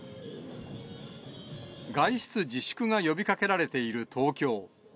外出自粛が呼びかけられている東京。